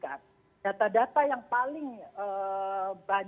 karena kalau kita mengatasi itu kita tidak bisa mengatasi bahwa vaksin itu sudah diberikan